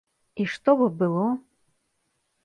І што б было?